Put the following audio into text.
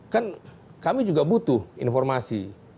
kan kami juga butuh informasi